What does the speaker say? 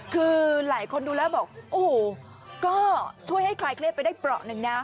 คือหลายคนดูแล้วบอกโอ้โหก็ช่วยให้คลายเครียดไปได้เปราะหนึ่งนะ